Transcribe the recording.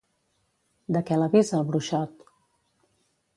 De què l'avisa el bruixot?